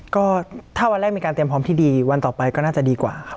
ก็ถ้าวันแรกมีการเตรียมพร้อมที่ดีวันต่อไปก็น่าจะดีกว่าครับ